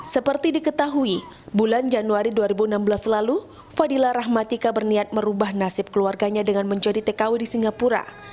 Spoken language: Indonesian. seperti diketahui bulan januari dua ribu enam belas lalu fadila rahmatika berniat merubah nasib keluarganya dengan menjadi tkw di singapura